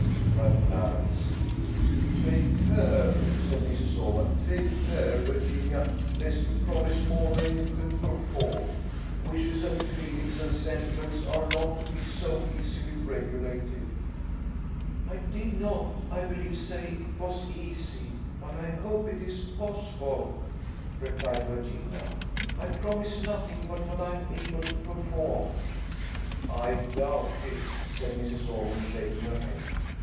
cried Clarence. "Take care," said Mrs. Ormond; "take care, Virginia, lest you promise more than you can perform. Wishes, and feelings, and sentiments, are not to be so easily regulated." "I did not, I believe, say it was easy; but I hope it is possible," replied Virginia. "I promise nothing but what I am able to perform." "I doubt it," said Mrs. Ormond, shaking her head.